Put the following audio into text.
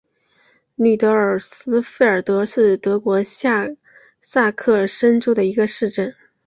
吕德尔斯费尔德是德国下萨克森州的一个市镇。